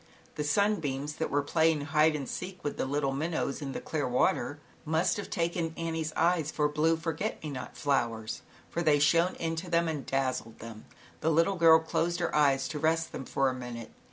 The sunbeams, that were playing hide and seek with the little minnows in the clear water, must have taken Annie's eyes for 90 ZAUBERLINDA, THE WISE WITCH. blue forget me not flowers, for they shone into them and dazzled them. The little girl closed her eyes to rest them for a minute.